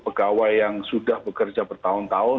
pegawai yang sudah bekerja bertahun tahun